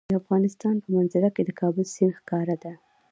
د افغانستان په منظره کې د کابل سیند ښکاره ده.